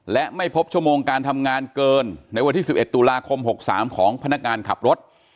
และไม่พบชั่วโมงการทำงานเกินในวันที่๑๑ตุลาคม๖๓ของพนักงานขับรถ